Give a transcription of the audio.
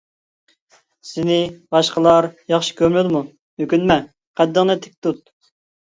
سېنى باشقىلار ياخشى كۆرمىدىمۇ؟ ئۆكۈنمە، قەددىڭنى تىك تۇت.